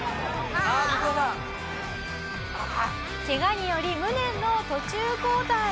ケガにより無念の途中交代。